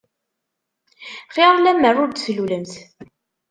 Xir lemmer ur d-tlulemt.